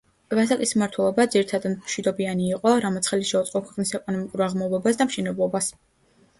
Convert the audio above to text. ვასაკის მმართველობა, ძირითადად მშვიდობიანი იყო, რამაც ხელი შეუწყო ქვეყნის ეკონომიკურ აღმავლობას და მშენებლობას.